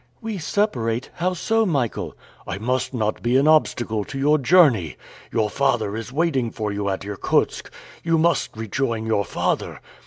"We separate? How so, Michael?" "I must not be an obstacle to your journey! Your father is waiting for you at Irkutsk! You must rejoin your father!"